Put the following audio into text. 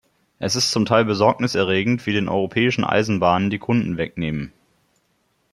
Es ist zum Teil Besorgnis erregend, wie den europäischen Eisenbahnen die Kunden wegnehmen.